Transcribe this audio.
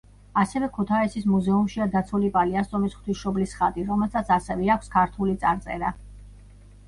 ასევე ქუთაისის მუზეუმშია დაცული პალიასტომის ღვთისმშობლის ხატი, რომელსაც ასევე აქვს ქართული წარწერა.